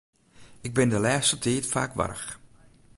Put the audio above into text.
Ik bin de lêste tiid faak warch.